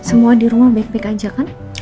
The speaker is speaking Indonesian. semua di rumah baik baik aja kan